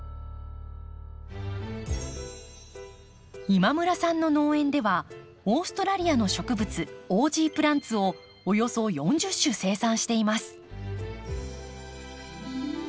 今村さんの農園ではオーストラリアの植物オージープランツをおよそ４０種生産しています。